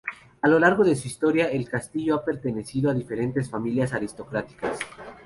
A lo largo de su historia, el castillo ha pertenecido a diferentes familias aristocráticas.